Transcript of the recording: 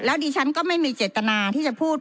ดิฉันก็ไม่มีเจตนาที่จะพูด